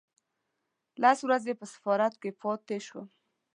لس ورځې په سفارت کې پاتې شوم.